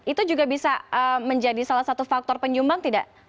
itu juga bisa menjadi salah satu faktor penyumbang tidak